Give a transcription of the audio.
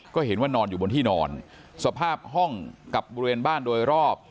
ก็เห็นว่านอนอยู่บนที่นอนสภาพห้องกับบริเวณบ้านโดยรอบ